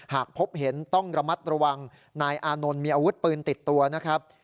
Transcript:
หากพบเห็นต้องระมัดระวังนายอานนท์มีอาวุธปืนติดตัวนะครับ